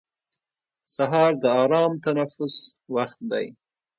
سهار د ارام تنفس وخت دی.